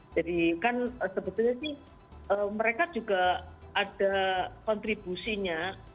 jadi kan sebetulnya sih mereka juga ada kontribusinya